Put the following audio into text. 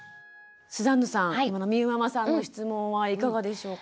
スザンヌさんみゆママさんの質問はいかがでしょうか？